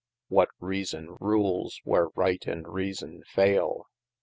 What reason rules, where right and reason faile